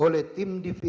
oleh tim dvi